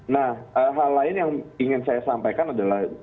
nah hal lain yang ingin saya sampaikan adalah